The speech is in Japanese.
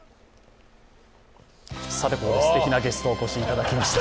ここで、すてきなゲストにお越しいただきました。